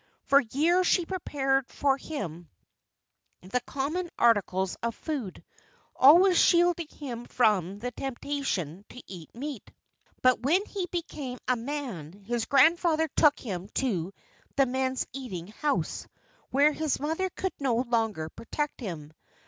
For years she prepared for him the common articles of food, always shielding him from the temptation to eat meat. But when he became a man his grandfather took him to the men's eating house, where his mother could no longer protect him.